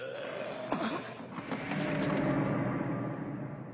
あっ。